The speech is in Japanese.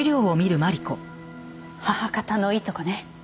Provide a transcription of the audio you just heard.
母方のいとこね。